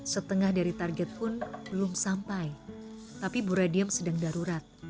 setengah dari target pun belum sampai tapi bu radiem sedang darurat